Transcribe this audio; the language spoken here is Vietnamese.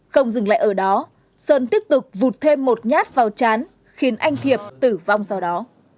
không dừng lại ở đó sơn tiếp tục vụt thêm một nhát vào chán khiến anh thiệp tử vong sau đó